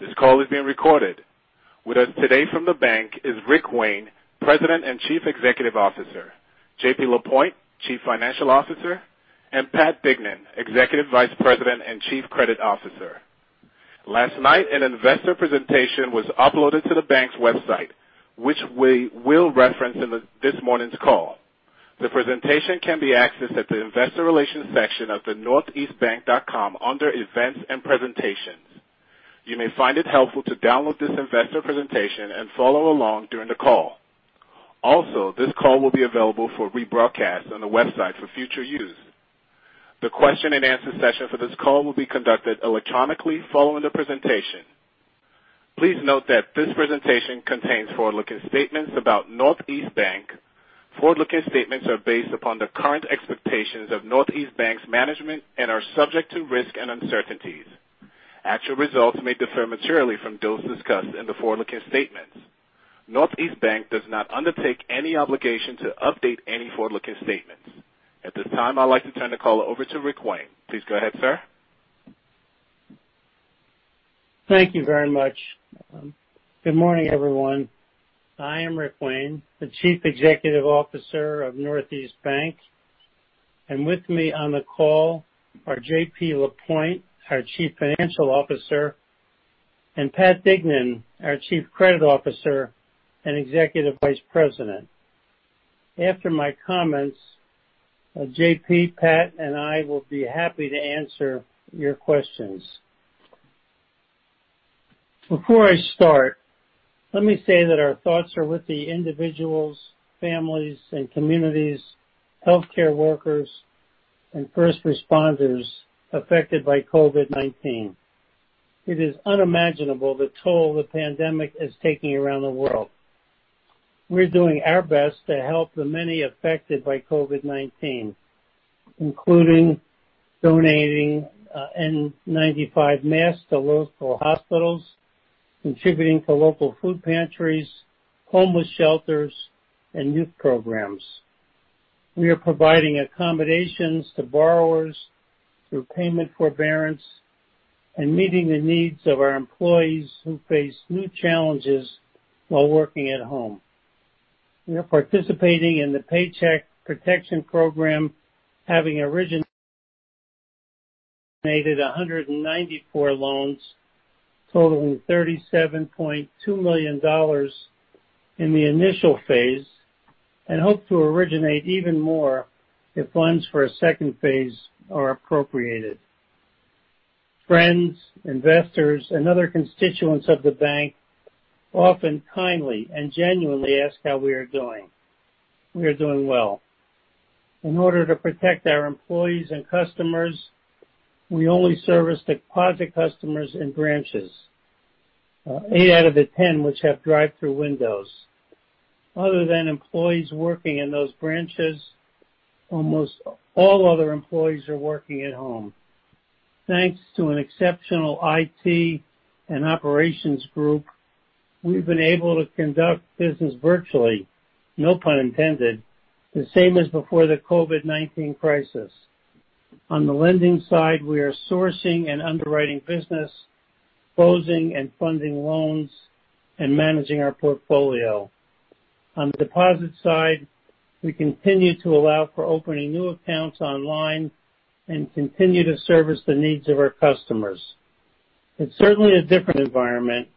This call is being recorded. With us today from the bank is Richard Wayne, President and Chief Executive Officer, Jean-Pierre Lapointe, Chief Financial Officer, and Patrick Dignan, Executive Vice President and Chief Credit Officer. Last night, an investor presentation was uploaded to the bank's website, which we will reference in this morning's call. The presentation can be accessed at the investor relations section of the northeastbank.com under events and presentations. You may find it helpful to download this investor presentation and follow along during the call. Also, this call will be available for rebroadcast on the website for future use. The question and answer session for this call will be conducted electronically following the presentation. Please note that this presentation contains forward-looking statements about Northeast Bank. Forward-looking statements are based upon the current expectations of Northeast Bank's management and are subject to risk and uncertainties. Actual results may differ materially from those discussed in the forward-looking statements. Northeast Bank does not undertake any obligation to update any forward-looking statements. At this time, I'd like to turn the call over to Richard Wayne. Please go ahead, sir. Thank you very much. Good morning, everyone. I am Rick Wayne, the Chief Executive Officer of Northeast Bank, and with me on the call are JP Lapointe, our Chief Financial Officer, and Pat Bignan, our Chief Credit Officer and Executive Vice President. After my comments, JP, Pat, and I will be happy to answer your questions. Before I start, let me say that our thoughts are with the individuals, families, and communities, healthcare workers, and first responders affected by COVID-19. It is unimaginable the toll the pandemic is taking around the world. We're doing our best to help the many affected by COVID-19, including donating N95 masks to local hospitals, contributing to local food pantries, homeless shelters, and youth programs. We are providing accommodations to borrowers through payment forbearance and meeting the needs of our employees who face new challenges while working at home. We are participating in the Paycheck Protection Program, having originated 194 loans totaling $37.2 million in the initial phase, and hope to originate even more if funds for a phase II are appropriated. Friends, investors, and other constituents of the bank often kindly and genuinely ask how we are doing. We are doing well. In order to protect our employees and customers, we only service deposit customers in branches, eight out of the 10 which have drive-thru windows. Other than employees working in those branches, almost all other employees are working at home. Thanks to an exceptional IT and operations group, we've been able to conduct business virtually, no pun intended, the same as before the COVID-19 crisis. On the lending side, we are sourcing and underwriting business, closing and funding loans, and managing our portfolio. On the deposit side, we continue to allow for opening new accounts online and continue to service the needs of our customers. It's certainly a different environment,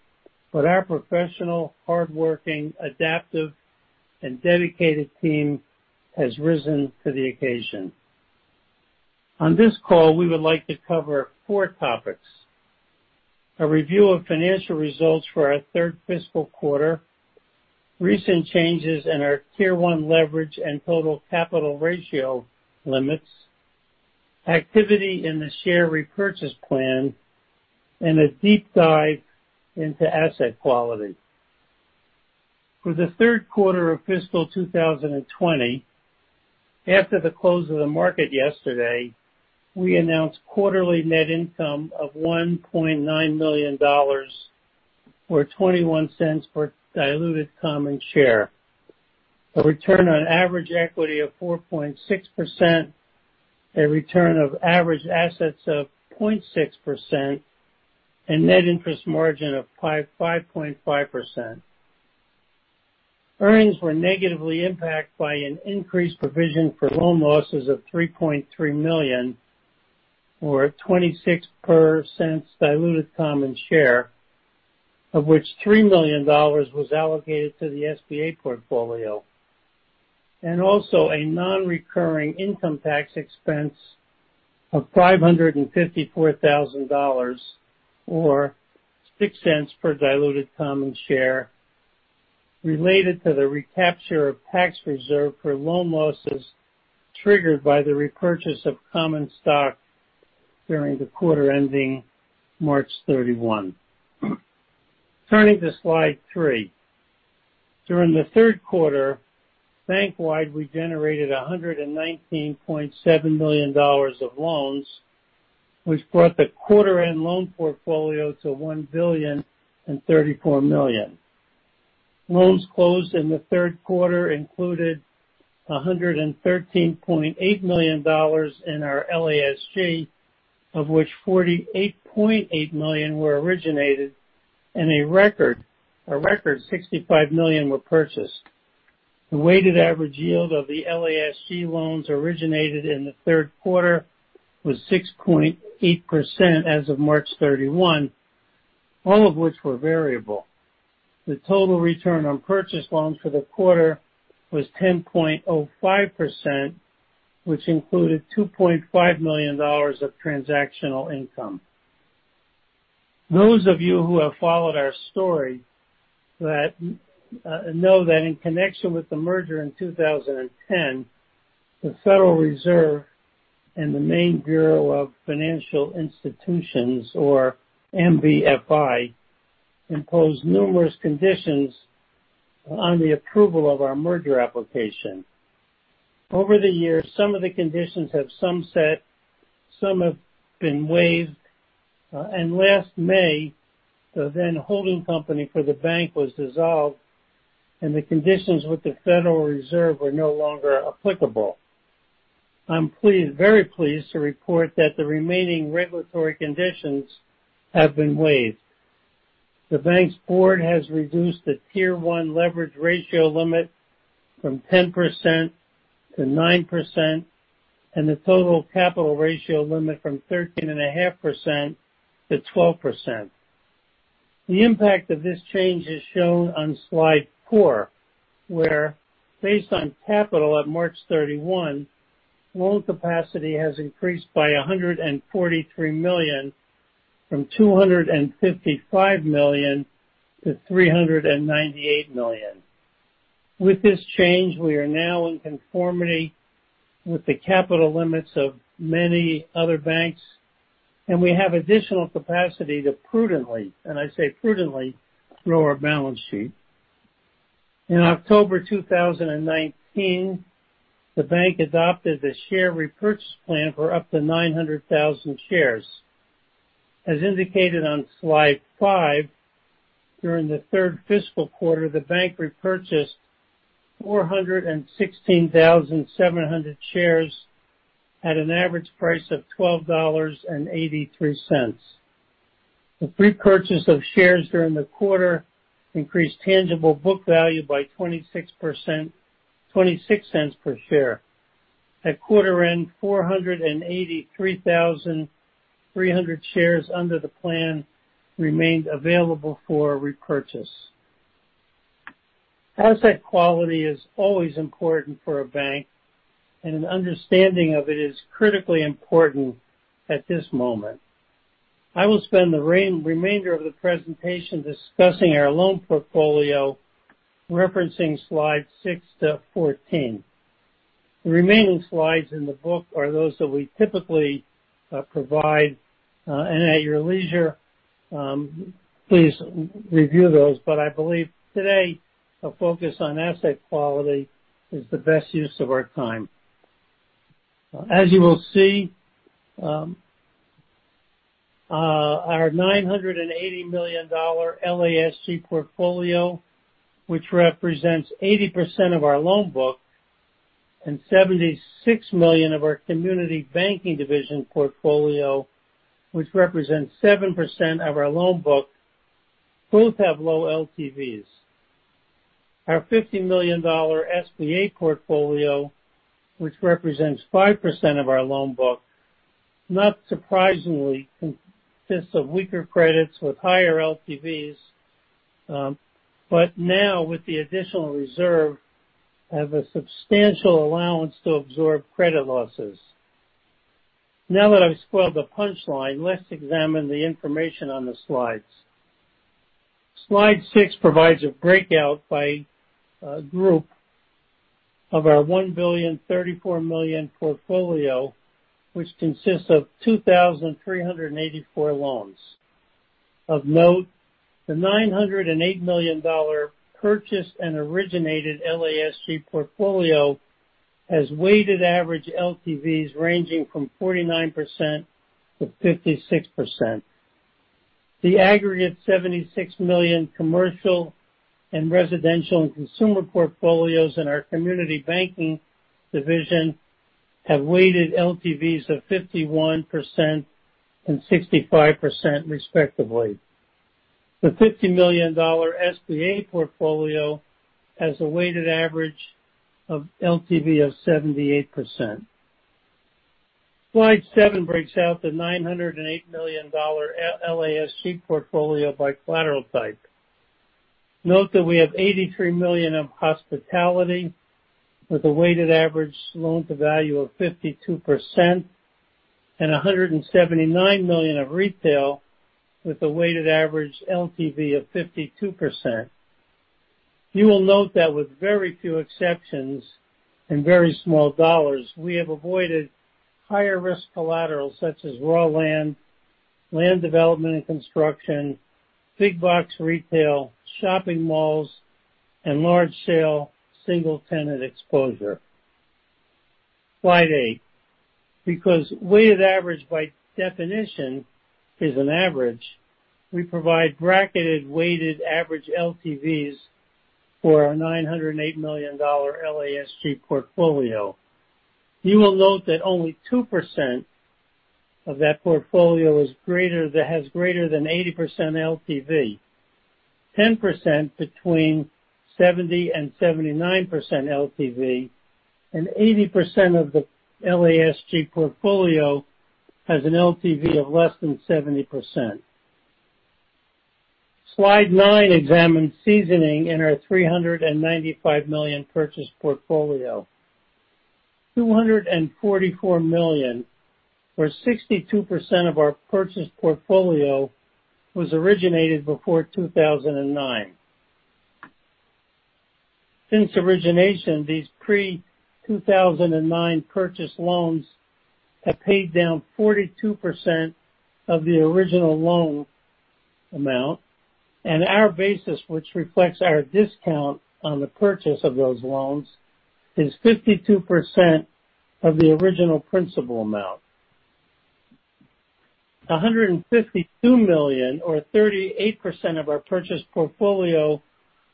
but our professional, hardworking, adaptive, and dedicated team has risen to the occasion. On this call, we would like to cover four topics. A review of financial results for our third fiscal quarter, recent changes in our Tier 1 leverage and total capital ratio limits, activity in the share repurchase plan, and a deep dive into asset quality. For the third quarter of fiscal 2020, after the close of the market yesterday, we announced quarterly net income of $1.9 million, or $0.21 per diluted common share, a return on average equity of 4.6%, a return of average assets of 0.6%, and net interest margin of 5.5%. Earnings were negatively impacted by an increased provision for loan losses of $3.3 million, or $0.26 per diluted common share, of which $3 million was allocated to the SBA portfolio. Also a non-recurring income tax expense of $554,000, or $0.06 per diluted common share, related to the recapture of tax reserve for loan losses triggered by the repurchase of common stock during the quarter ending March 31. Turning to slide three. During the third quarter, bank-wide, we generated $119.7 million of loans, which brought the quarter-end loan portfolio to $1 billion and $34 million. Loans closed in the third quarter included $113.8 million in our LASG, of which $48.8 million were originated and a record $65 million were purchased. The weighted average yield of the LASG loans originated in the third quarter was 6.8% as of March 31, all of which were variable. The total return on purchase loans for the quarter was 10.05%, which included $2.5 million of transactional income. Those of you who have followed our story know that in connection with the merger in 2010, the Federal Reserve and the Maine Bureau of Financial Institutions, or MBFI, imposed numerous conditions on the approval of our merger application. Over the years, some of the conditions have sunset, some have been waived. Last May, the then holding company for the bank was dissolved, and the conditions with the Federal Reserve were no longer applicable. I'm very pleased to report that the remaining regulatory conditions have been waived. The bank's board has reduced the Tier 1 leverage ratio limit from 10% to 9%, and the total capital ratio limit from 13.5% to 12%. The impact of this change is shown on slide four, where based on capital at March 31, loan capacity has increased by $143 million from $255 million to $398 million. With this change, we are now in conformity with the capital limits of many other banks, we have additional capacity to prudently, and I say prudently, grow our balance sheet. In October 2019, the bank adopted the share repurchase plan for up to 900,000 shares. As indicated on slide five, during the third fiscal quarter, the bank repurchased 416,700 shares at an average price of $12.83. The repurchase of shares during the quarter increased tangible book value by $0.26 per share. At quarter end, 483,300 shares under the plan remained available for repurchase. Asset quality is always important for a bank, an understanding of it is critically important at this moment. I will spend the remainder of the presentation discussing our loan portfolio, referencing slides six to 14. The remaining slides in the book are those that we typically provide, and at your leisure, please review those, but I believe today our focus on asset quality is the best use of our time. As you will see, our $980 million LASG portfolio, which represents 80% of our loan book, and $76 million of our community banking division portfolio, which represents 7% of our loan book, both have low LTVs. Our $50 million SBA portfolio, which represents 5% of our loan book, not surprisingly, consists of weaker credits with higher LTVs, but now with the additional reserve, have a substantial allowance to absorb credit losses. Now that I've spoiled the punchline, let's examine the information on the slides. Slide six provides a breakout by group of our $1 billion 34 million portfolio, which consists of 2,384 loans. Of note, the $908 million purchased and originated LASG portfolio has weighted average LTVs ranging from 49%-56%. The aggregate $76 million commercial and residential and consumer portfolios in our community banking division have weighted LTVs of 51% and 65%, respectively. The $50 million SBA portfolio has a weighted average of LTV of 78%. Slide seven breaks out the $908 million LASG portfolio by collateral type. Note that we have $83 million of hospitality with a weighted average loan to value of 52%, and $179 million of retail with a weighted average LTV of 52%. You will note that with very few exceptions and very small dollars, we have avoided higher risk collaterals such as raw land development and construction, big box retail, shopping malls, and large sale single tenant exposure. Slide eight. Because weighted average by definition is an average, we provide bracketed weighted average LTVs for our $908 million LASG portfolio. You will note that only 2% of that portfolio has greater than 80% LTV, 10% between 70%-79% LTV, and 80% of the LASG portfolio has an LTV of less than 70%. Slide nine examines seasoning in our $395 million purchase portfolio. $244 million, or 62% of our purchase portfolio, was originated before 2009. Since origination, these pre-2009 purchase loans have paid down 42% of the original loan amount. Our basis, which reflects our discount on the purchase of those loans, is 52% of the original principal amount. $152 million, or 38% of our purchase portfolio,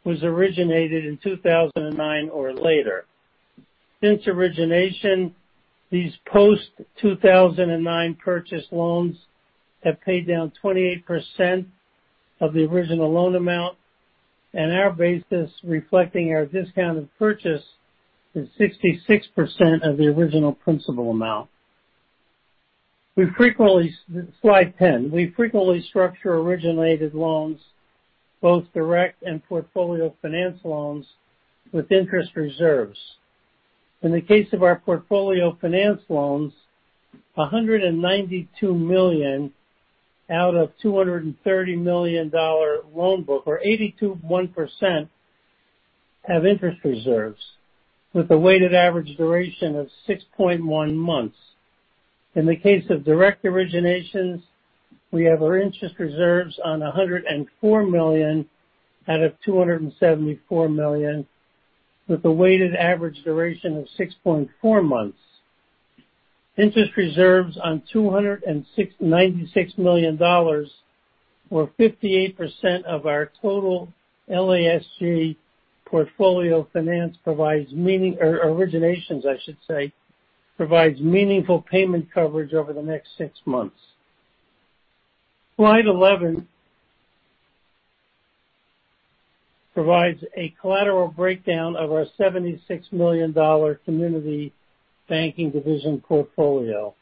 was originated in 2009 or later. Since origination, these post-2009 purchase loans have paid down 28% of the original loan amount, and our basis reflecting our discounted purchase is 66% of the original principal amount. Slide 10. We frequently structure originated loans, both direct and portfolio finance loans, with interest reserves. In the case of our portfolio finance loans, $192 million out of $230 million loan book, or 82.1%, have interest reserves with a weighted average duration of 6.1 months. In the case of direct originations, we have our interest reserves on $104 million out of $274 million, with a weighted average duration of 6.4 months. Interest reserves on $296 million, or 58% of our total LASG portfolio finance or originations, I should say, provides meaningful payment coverage over the next six months. Slide 11 provides a collateral breakdown of our $76 million community banking division portfolio.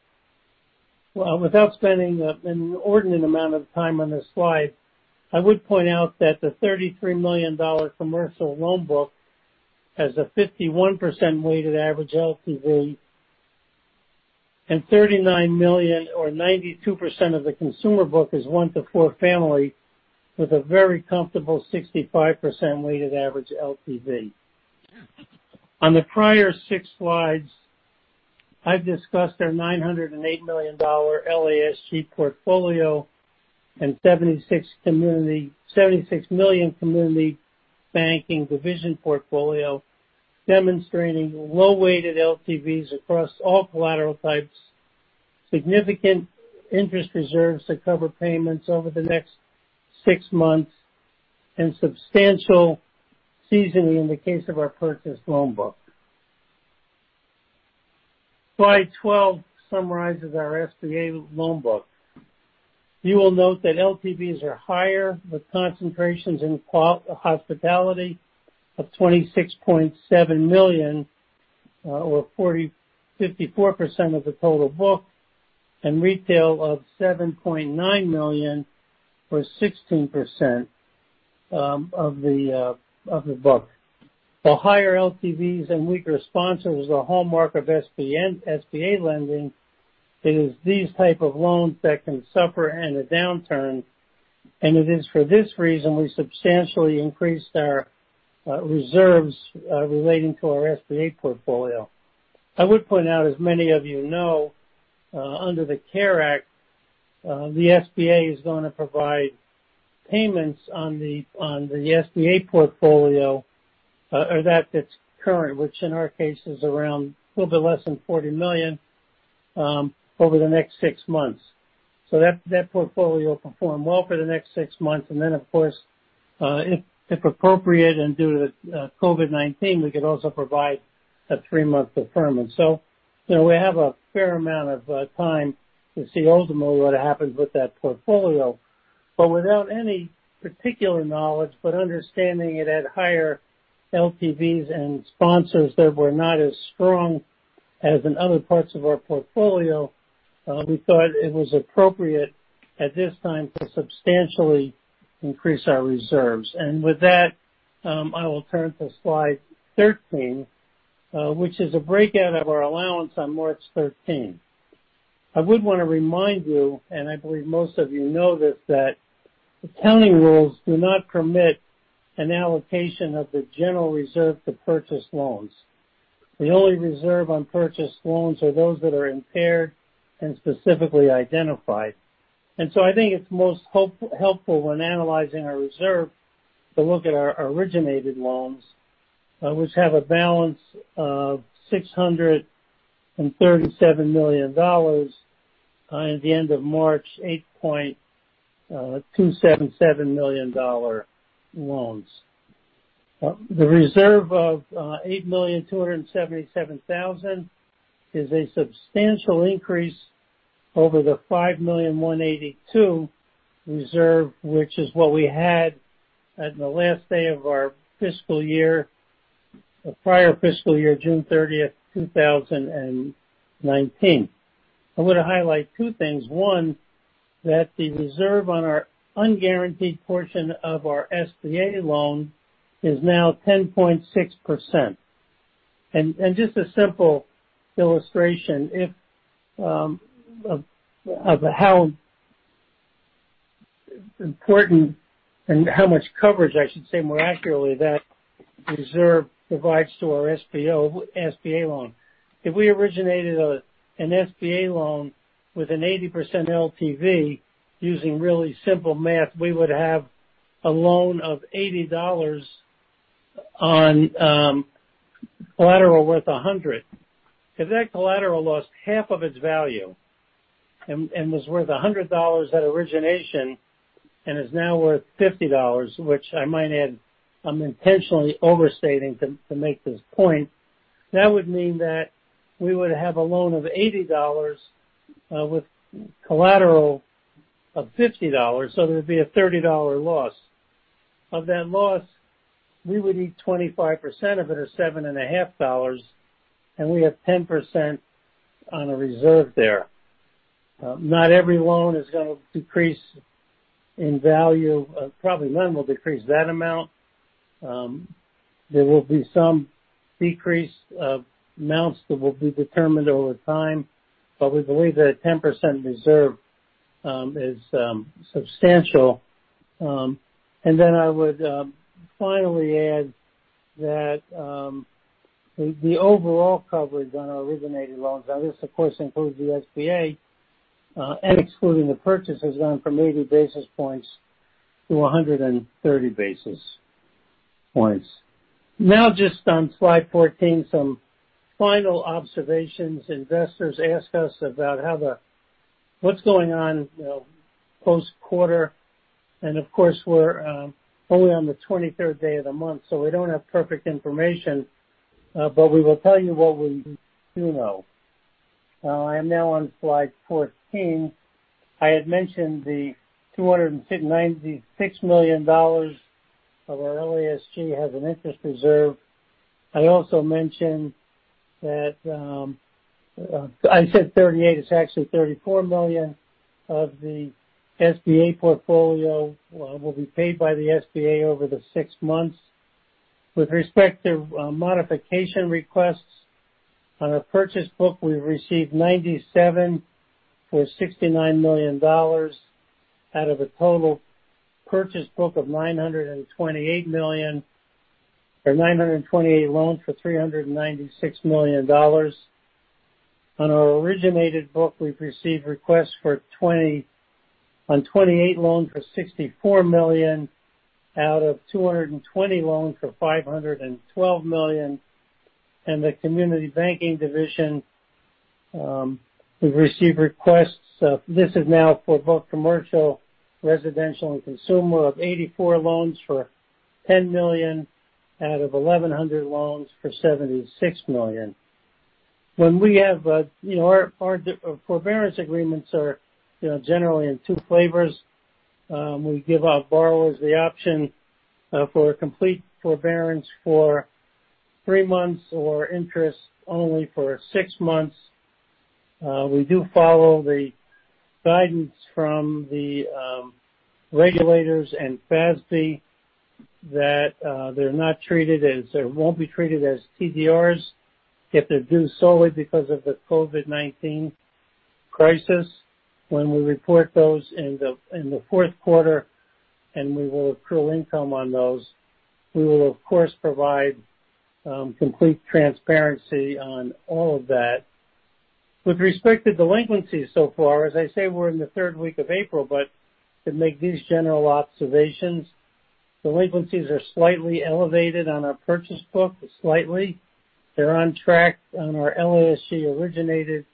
Without spending an inordinate amount of time on this slide, I would point out that the $33 million commercial loan book has a 51% weighted average LTV, and $39 million, or 92% of the consumer book is one to four family with a very comfortable 65% weighted average LTV. On the prior six slides, I've discussed our $908 million LASG portfolio and $76 million community banking division portfolio, demonstrating low-weighted LTVs across all collateral types, significant interest reserves to cover payments over the next six months, and substantial seasoning in the case of our purchase loan book. Slide 12 summarizes our SBA loan book. You will note that LTVs are higher, with concentrations in hospitality of $26.7 million, or 54% of the total book, and retail of $7.9 million, or 16% of the book. The higher LTVs and weaker sponsors, the hallmark of SBA lending, it is these type of loans that can suffer in a downturn, and it is for this reason we substantially increased our reserves relating to our SBA portfolio. I would point out, as many of you know, under the CARES Act, the SBA is going to provide payments on the SBA portfolio, or that that's current, which in our case is around a little bit less than $40 million, over the next six months. That portfolio will perform well for the next six months. Then, of course, if appropriate and due to COVID-19, we could also provide a three-month deferment. We have a fair amount of time to see ultimately what happens with that portfolio. Without any particular knowledge, but understanding it had higher LTVs and sponsors that were not as strong as in other parts of our portfolio, we thought it was appropriate at this time to substantially increase our reserves. With that, I will turn to slide 13, which is a breakout of our allowance on March 13th. I would want to remind you, and I believe most of you know this, that accounting rules do not permit an allocation of the general reserve to purchase loans. The only reserve on purchase loans are those that are impaired and specifically identified. I think it's most helpful when analyzing our reserve to look at our originated loans, which have a balance of $637 million at the end of March, $8.277 million loans. The reserve of $8,277,000 is a substantial increase over the $5,182,000 reserve, which is what we had at the last day of our prior fiscal year, June 30th, 2019. I want to highlight two things. One, that the reserve on our unguaranteed portion of our SBA loan is now 10.6%. Just a simple illustration of how important and how much coverage, I should say more accurately, that reserve provides to our SBA loan. If we originated an SBA loan with an 80% LTV, using really simple math, we would have a loan of $80 on collateral worth $100. If that collateral lost half of its value and was worth $100 at origination and is now worth $50, which I might add, I'm intentionally overstating to make this point, that would mean that we would have a loan of $80 with collateral of $50, so there'd be a $30 loss. Of that loss, we would eat 25% of it, or $7.50, and we have 10% on a reserve there. Not every loan is going to decrease in value. Probably none will decrease that amount. There will be some decrease of amounts that will be determined over time, but we believe that a 10% reserve is substantial. I would finally add that the overall coverage on our originated loans, now this of course includes the SBA, and excluding the purchases, went from 80 basis points to 130 basis points. Now, just on slide 14, some final observations. Investors ask us about what's going on post quarter, and of course, we're only on the 23rd day of the month, so we don't have perfect information. We will tell you what we do know. I am now on slide 14. I had mentioned the $296 million of our LASG has an interest reserve. I said 38, it's actually $34 million of the SBA portfolio will be paid by the SBA over the six months. With respect to modification requests on our purchase book, we received 97 for $69 million out of a total purchase book of 928 loans for $396 million. On our originated book, we've received requests on 28 loans for $64 million out of 220 loans for $512 million. The Community Banking Division, we've received requests, this is now for both commercial, residential, and consumer, of 84 loans for $10 million out of 1,100 loans for $76 million. Our forbearance agreements are generally in two flavors. We give our borrowers the option for a complete forbearance for three months or interest only for six months. We do follow the guidance from the regulators and FASB that they won't be treated as TDRs if they're due solely because of the COVID-19 crisis. When we report those in the fourth quarter, and we will accrue income on those, we will of course provide complete transparency on all of that. With respect to delinquencies so far, as I say, we're in the third week of April, but to make these general observations, delinquencies are slightly elevated on our purchase book, slightly. They're on track on our LASG originated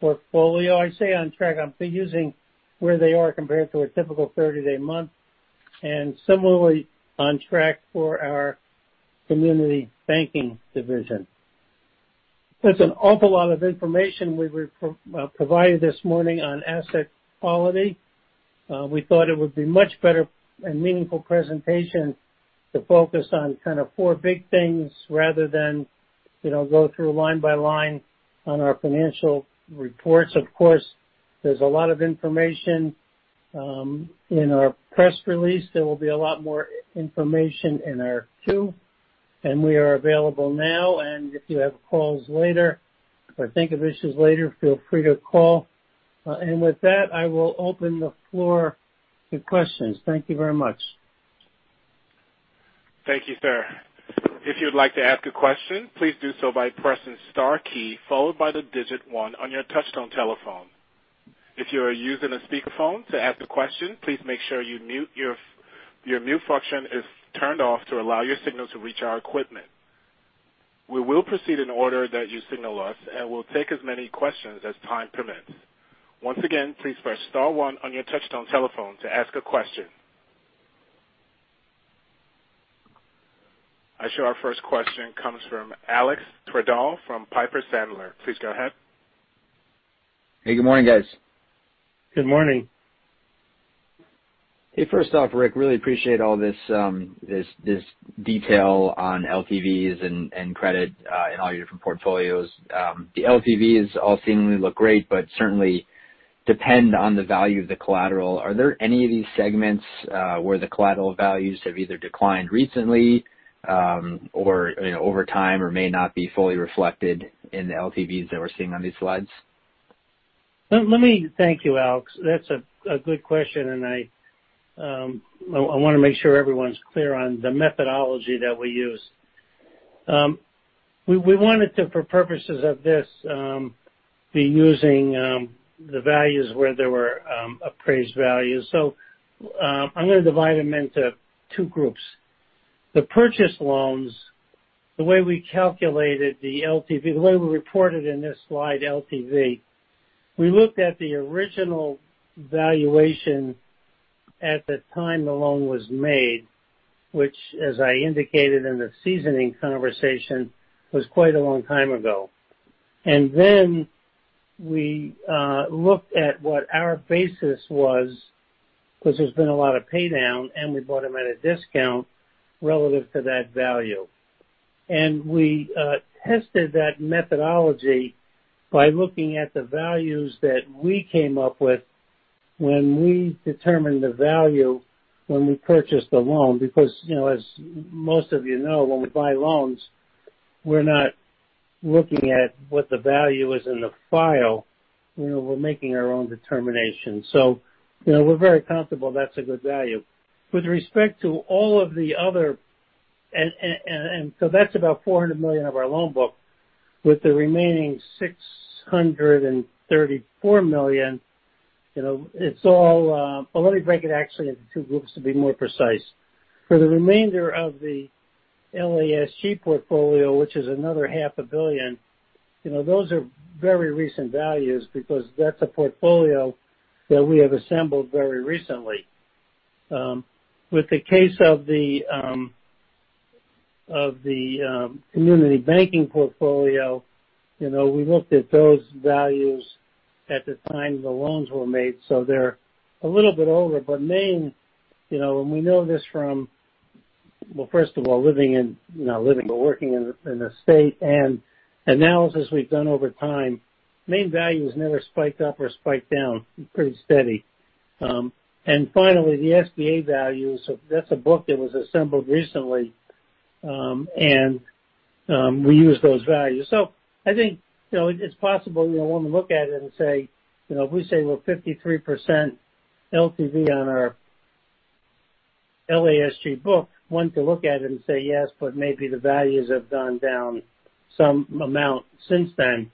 portfolio. I say on track, I'm using where they are compared to a typical 30-day month, and similarly on track for our community banking division. That's an awful lot of information we've provided this morning on asset quality. We thought it would be much better and meaningful presentation to focus on kind of four big things rather than go through line by line on our financial reports. Of course, there's a lot of information in our press release. There will be a lot more information in our Q, and we are available now, and if you have calls later or think of issues later, feel free to call. With that, I will open the floor to questions. Thank you very much. Thank you, sir. If you'd like to ask a question, please do so by pressing * key followed by the digit 1 on your touchtone telephone. If you're using a speakerphone to ask a question, please make sure your mute function is turned off to allow your signal to reach our equipment. We will proceed in the order that you signal us, and we'll take as many questions as time permits. Once again, please press star 1 on your touchtone telephone to ask a question. I show our first question comes from Alex Twerdahl from Piper Sandler. Please go ahead. Hey, good morning, guys. Good morning. Hey, first off, Rick, really appreciate all this detail on LTVs and credit in all your different portfolios. The LTVs all seemingly look great, but certainly depend on the value of the collateral. Are there any of these segments where the collateral values have either declined recently or over time, or may not be fully reflected in the LTVs that we're seeing on these slides? Thank you, Alex. That's a good question, and I want to make sure everyone's clear on the methodology that we use. We wanted to, for purposes of this, be using the values where there were appraised values. I'm going to divide them into two groups. The purchase loans, the way we calculated the LTV, the way we reported in this slide, LTV, we looked at the original valuation at the time the loan was made, which, as I indicated in the seasoning conversation, was quite a long time ago. We looked at what our basis was, because there's been a lot of pay down and we bought them at a discount relative to that value. We tested that methodology by looking at the values that we came up with when we determined the value when we purchased the loan. As most of you know, when we buy loans, we're not looking at what the value is in the file. We're making our own determination. We're very comfortable that's a good value. That's about $400 million of our loan book. With the remaining $634 million, Well, let me break it actually into two groups to be more precise. For the remainder of the LASG portfolio, which is another half a billion, those are very recent values because that's a portfolio that we have assembled very recently. With the case of the community banking portfolio, we looked at those values at the time the loans were made, they're a little bit older. Maine, and we know this from, well, first of all, working in the state and analysis we've done over time, Maine values never spiked up or spiked down. They're pretty steady. Finally, the SBA values, that's a book that was assembled recently, and we use those values. I think it's possible one would look at it and say, if we say we're 53% LTV on our LASG book, one could look at it and say, yes, but maybe the values have gone down some amount since then.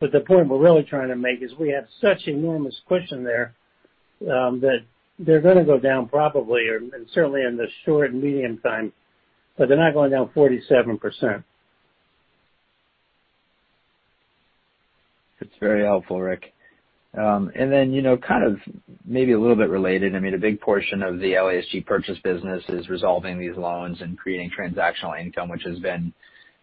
The point we're really trying to make is we have such enormous cushion there that they're going to go down probably, or certainly in the short and medium time, but they're not going down 47%. That's very helpful, Rick. kind of maybe a little bit related, I mean, a big portion of the LASG purchase business is resolving these loans and creating transactional income, which has been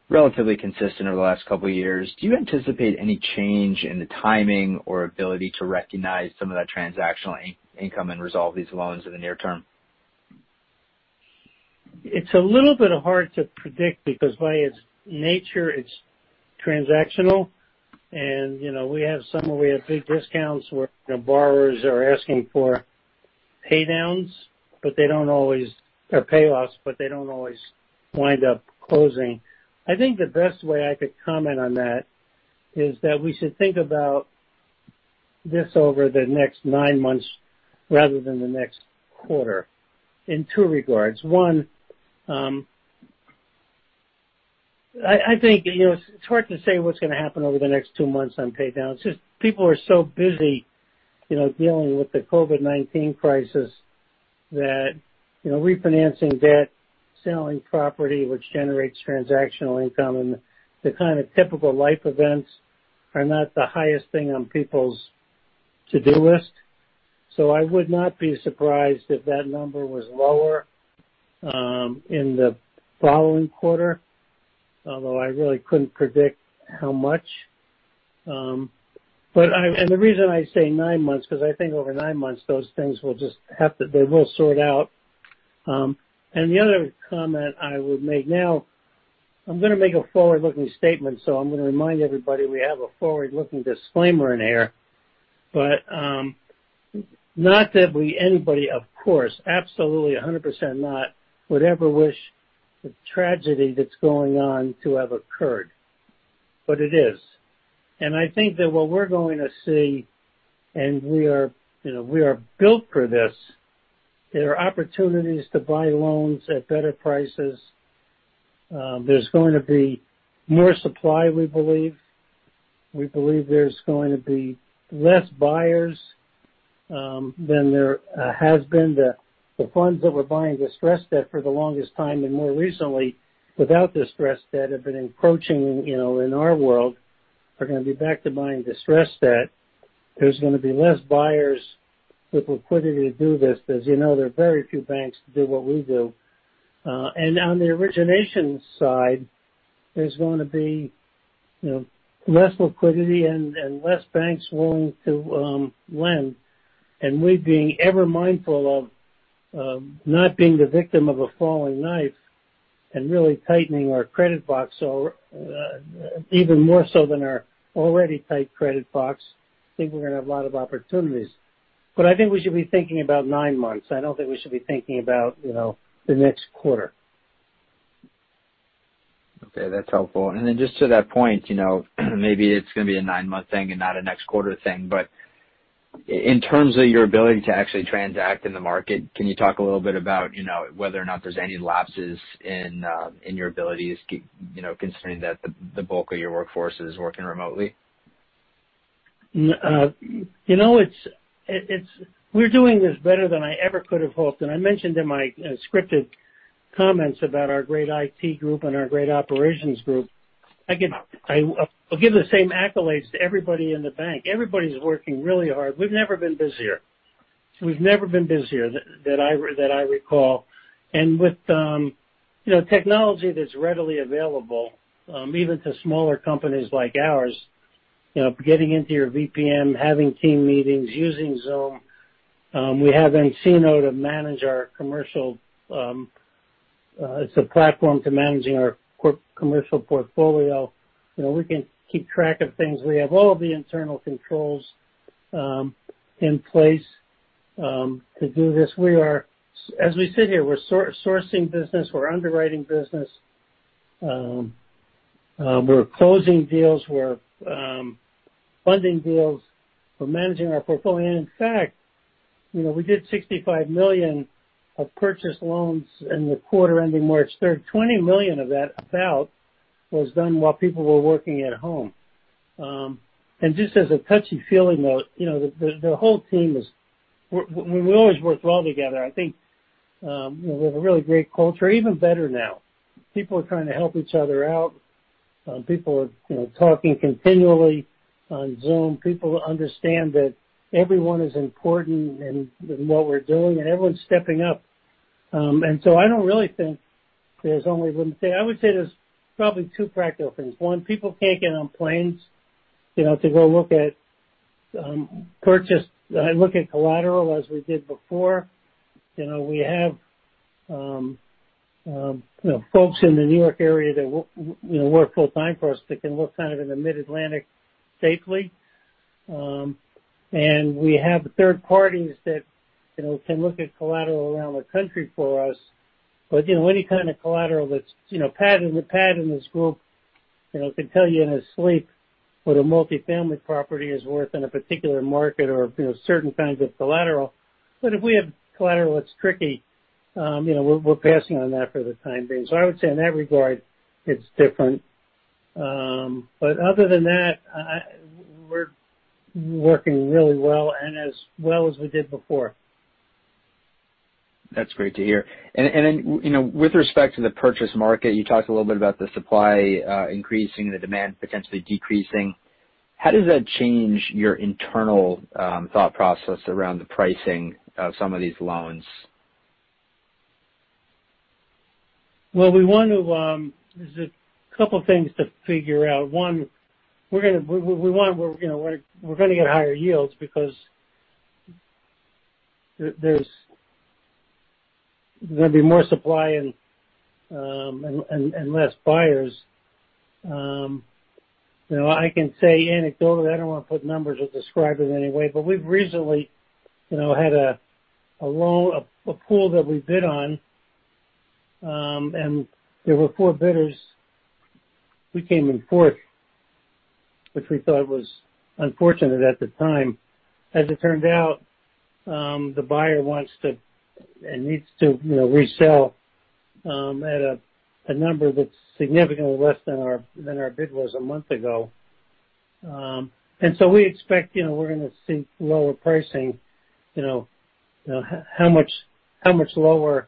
relatively consistent over the last couple of years. Do you anticipate any change in the timing or ability to recognize some of that transactional income and resolve these loans in the near term? It's a little bit hard to predict because by its nature, it's transactional, and we have some where we have big discounts, where the borrowers are asking for pay downs, or pay offs, but they don't always wind up closing. I think the best way I could comment on that is that we should think about this over the next nine months rather than the next quarter in two regards. One, I think it's hard to say what's going to happen over the next two months on pay downs. It's just people are so busy dealing with the COVID-19 crisis that refinancing debt, selling property, which generates transactional income, and the kind of typical life events are not the highest thing on people's to-do list. I would not be surprised if that number was lower in the following quarter, although I really couldn't predict how much. The reason I say nine months, because I think over nine months, those things will sort out. The other comment I would make now, I'm going to make a forward-looking statement, so I'm going to remind everybody we have a forward-looking disclaimer in here. Not that anybody, of course, absolutely 100% not, would ever wish the tragedy that's going on to have occurred, but it is. I think that what we're going to see, and we are built for this, there are opportunities to buy loans at better prices. There's going to be more supply, we believe. We believe there's going to be less buyers than there has been. The funds that were buying distressed debt for the longest time, and more recently, without distressed debt, have been encroaching in our world, are going to be back to buying distressed debt. There's going to be less buyers with liquidity to do this. As you know, there are very few banks that do what we do. On the origination side, there's going to be less liquidity and less banks willing to lend. We being ever mindful of not being the victim of a falling knife and really tightening our credit box, even more so than our already tight credit box. I think we're going to have a lot of opportunities. I think we should be thinking about nine months. I don't think we should be thinking about the next quarter. Okay, that's helpful. Just to that point, maybe it's going to be a nine-month thing and not a next quarter thing, but in terms of your ability to actually transact in the market, can you talk a little bit about whether or not there's any lapses in your abilities, considering that the bulk of your workforce is working remotely? We're doing this better than I ever could have hoped. I mentioned in my scripted comments about our great IT group and our great operations group. I'll give the same accolades to everybody in the bank. Everybody's working really hard. We've never been busier. We've never been busier that I recall. With technology that's readily available, even to smaller companies like ours, getting into your VPN, having team meetings, using Zoom. We have nCino. It's a platform to managing our commercial portfolio. We can keep track of things. We have all of the internal controls in place to do this. As we sit here, we're sourcing business. We're underwriting business. We're closing deals. We're funding deals. We're managing our portfolio. In fact, we did $65 million of purchase loans in the quarter ending March 3rd. $20 million of that, about, was done while people were working at home. Just as a touchy-feely note, the whole team, we always worked well together. I think we have a really great culture, even better now. People are trying to help each other out. People are talking continually on Zoom. People understand that everyone is important in what we're doing, and everyone's stepping up. I don't really think there's only one thing. I would say there's probably two practical things. One, people can't get on planes to go look at collateral as we did before. We have folks in the New York area that work full time for us that can work kind of in the Mid-Atlantic safely. We have third parties that can look at collateral around the country for us. Any kind of collateral that's Pat and his group can tell you in his sleep what a multi-family property is worth in a particular market or certain kinds of collateral. If we have collateral that's tricky, we're passing on that for the time being. I would say in that regard, it's different. Other than that, we're working really well and as well as we did before. That's great to hear. With respect to the purchase market, you talked a little bit about the supply increasing, the demand potentially decreasing. How does that change your internal thought process around the pricing of some of these loans? Well, there's a couple things to figure out. One, we're going to get higher yields because there's going to be more supply and less buyers. I can say anecdotally, I don't want to put numbers or describe it in any way, but we've recently had a pool that we bid on, and there were four bidders. We came in fourth, which we thought was unfortunate at the time. As it turned out, the buyer wants to and needs to resell at a number that's significantly less than our bid was a month ago. We expect we're going to see lower pricing. How much lower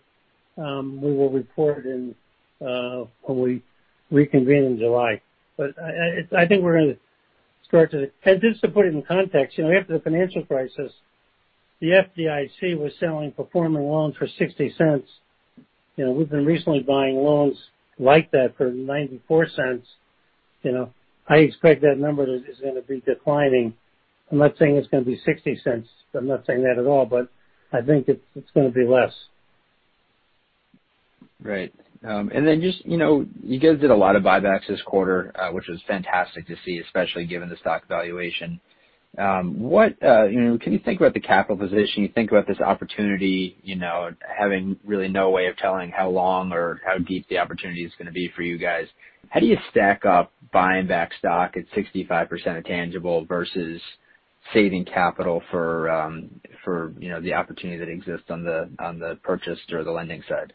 we will report when we reconvene in July. I think we're going to. Just to put it in context, after the financial crisis, the FDIC was selling performing loans for $0.60. We've been recently buying loans like that for $0.94. I expect that number is going to be declining. I'm not saying it's going to be $0.60. I'm not saying that at all, I think it's going to be less. Right. Just, you guys did a lot of buybacks this quarter, which was fantastic to see, especially given the stock valuation. Can you think about the capital position? You think about this opportunity, having really no way of telling how long or how deep the opportunity is going to be for you guys. How do you stack up buying back stock at 65% of tangible versus saving capital for the opportunity that exists on the purchase or the lending side?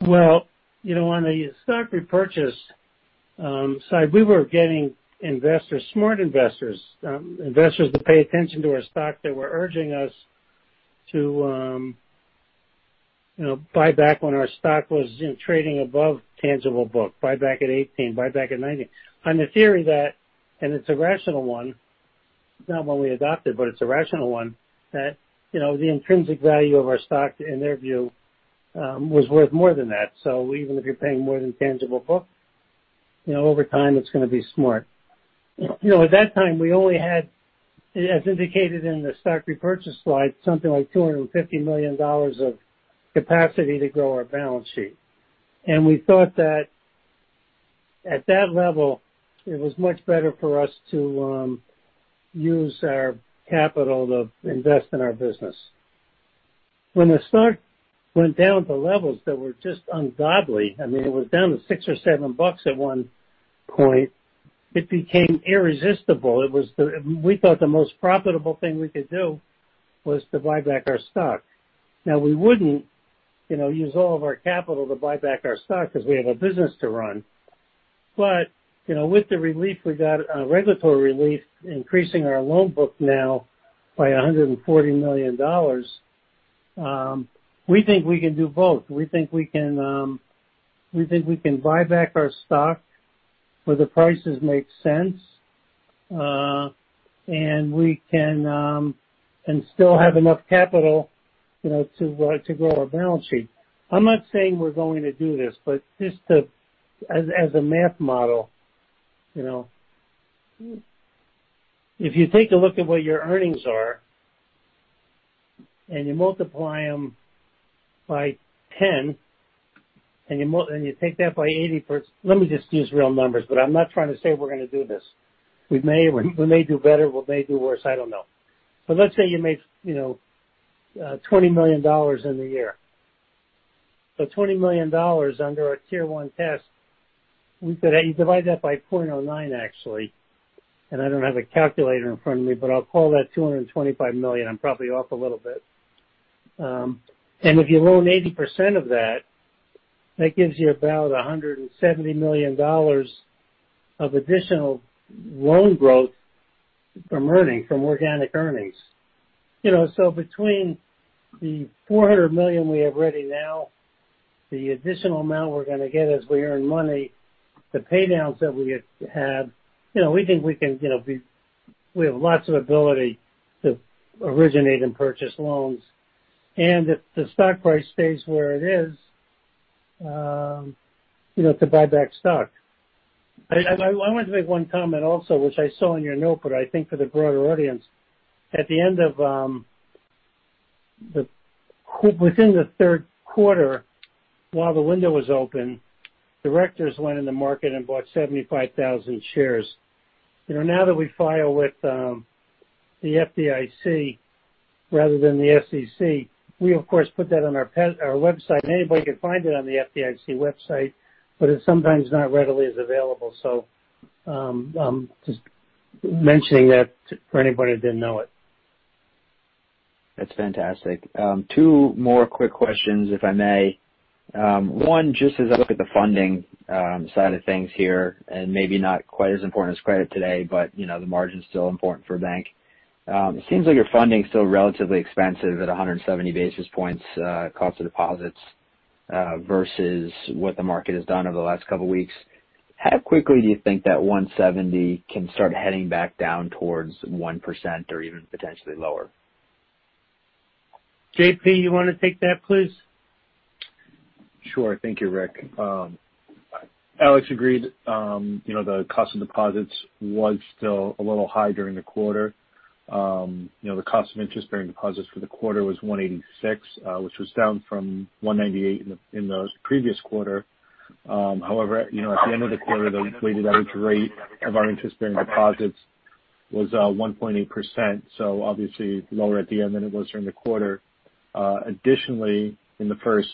Well, on the stock repurchase side, we were getting investors, smart investors that pay attention to our stock that were urging us to buy back when our stock was trading above tangible book, buy back at 18, buy back at 19, on the theory that, and it's a rational one, not one we adopted, but it's a rational one, that the intrinsic value of our stock, in their view, was worth more than that. Even if you're paying more than tangible book, over time, it's going to be smart. At that time, we only had, as indicated in the stock repurchase slide, something like $250 million of capacity to grow our balance sheet. We thought that at that level, it was much better for us to use our capital to invest in our business. When the stock went down to levels that were just ungodly, I mean, it was down to six or seven bucks at one point, it became irresistible. We thought the most profitable thing we could do was to buy back our stock. We wouldn't use all of our capital to buy back our stock because we have a business to run. With the relief we got, regulatory relief, increasing our loan book now by $140 million, we think we can do both. We think we can buy back our stock where the prices make sense, and still have enough capital to grow our balance sheet. I'm not saying we're going to do this, but just as a math model. If you take a look at what your earnings are, and you multiply them by 10, and you take that by 80%. Let me just use real numbers. I'm not trying to say we're going to do this. We may do better, we may do worse, I don't know. Let's say you made $20 million in the year. $20 million under our Tier 1 test, you divide that by .09, actually, and I don't have a calculator in front of me, but I'll call that $225 million. I'm probably off a little bit. If you loan 80% of that gives you about $170 million of additional loan growth from earnings, from organic earnings. Between the $400 million we have ready now, the additional amount we're going to get as we earn money, the pay-downs that we have had, we think we have lots of ability to originate and purchase loans, if the stock price stays where it is, to buy back stock. I want to make one comment also, which I saw in your note, but I think for the broader audience. Within the third quarter, while the window was open, directors went in the market and bought 75,000 shares. Now that we file with the FDIC rather than the SEC, we of course put that on our website, and anybody can find it on the FDIC website, but it's sometimes not readily as available. Just mentioning that for anybody that didn't know it. That's fantastic. Two more quick questions, if I may. One, just as I look at the funding side of things here, and maybe not quite as important as credit today, but the margin's still important for a bank. It seems like your funding is still relatively expensive at 170 basis points cost of deposits versus what the market has done over the last couple of weeks. How quickly do you think that 170 can start heading back down towards 1% or even potentially lower? JP, you want to take that, please? Sure. Thank you, Rick. Alex agreed, the cost of deposits was still a little high during the quarter. The cost of interest-bearing deposits for the quarter was 186, which was down from 198 in the previous quarter. At the end of the quarter, the weighted average rate of our interest-bearing deposits was 1.8%, obviously lower at the end than it was during the quarter. In the first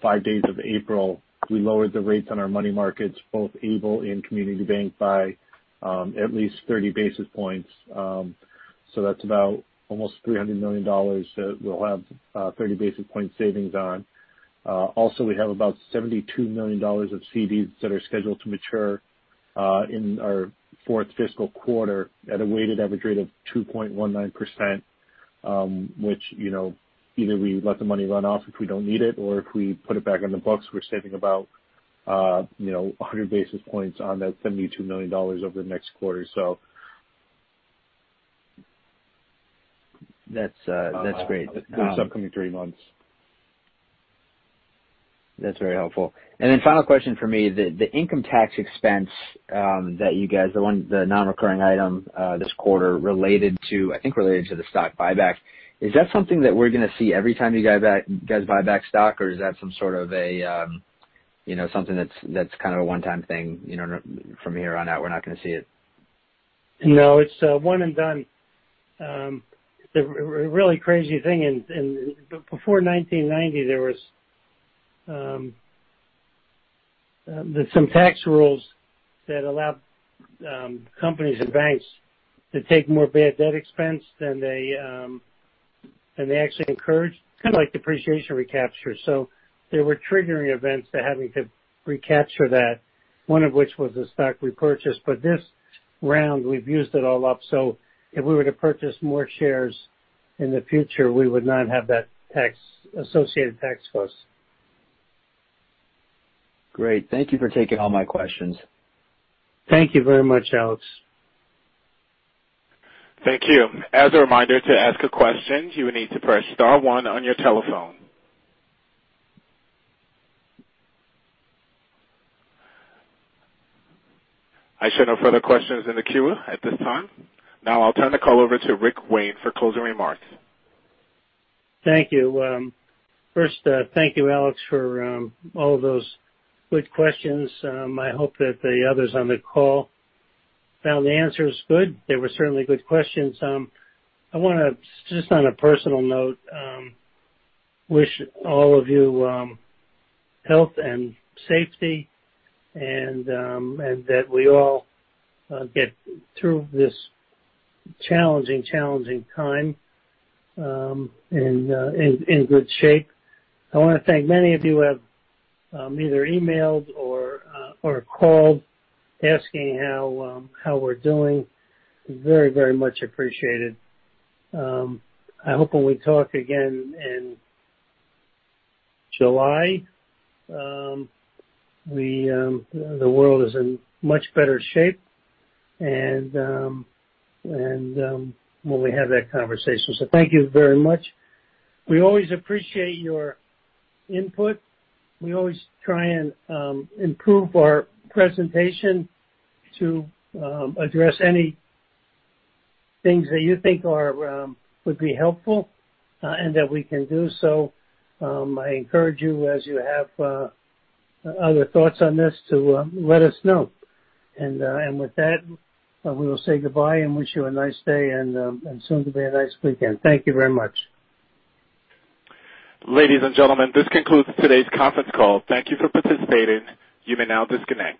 five days of April, we lowered the rates on our money markets, both ableBanking and Community Bank, by at least 30 basis points. That's about almost $300 million that we'll have 30 basis point savings on. We have about $72 million of CDs that are scheduled to mature in our fourth fiscal quarter at a weighted average rate of 2.19%, which either we let the money run off if we don't need it, or if we put it back on the books, we're saving about 100 basis points on that $72 million over the next quarter. That's great. Those upcoming three months. That's very helpful. Final question from me. The income tax expense that you guys, the non-recurring item this quarter, I think related to the stock buyback. Is that something that we're going to see every time you guys buy back stock, or is that something that's kind of a one-time thing from here on out, we're not going to see it? No, it's a one and done. The really crazy thing, before 1990, there are some tax rules that allow companies and banks to take more bad debt expense than they actually incurred, kind of like depreciation recapture. There were triggering events to having to recapture that, one of which was the stock repurchase. This round, we've used it all up, so if we were to purchase more shares in the future, we would not have that associated tax cost. Great. Thank you for taking all my questions. Thank you very much, Alex. Thank you. As a reminder, to ask a question, you will need to press star one on your telephone. I show no further questions in the queue at this time. Now I'll turn the call over to Richard Wayne for closing remarks. Thank you. First, thank you, Alex, for all of those good questions. I hope that the others on the call found the answers good. They were certainly good questions. I want to, just on a personal note, wish all of you health and safety and that we all get through this challenging time in good shape. I want to thank many of you who have either emailed or called asking how we're doing. Very much appreciated. I hope when we talk again in July, the world is in much better shape, and when we have that conversation. Thank you very much. We always appreciate your input. We always try and improve our presentation to address any things that you think would be helpful and that we can do so. I encourage you, as you have other thoughts on this, to let us know. With that, we will say goodbye and wish you a nice day and soon to be a nice weekend. Thank you very much. Ladies and gentlemen, this concludes today's conference call. Thank you for participating. You may now disconnect.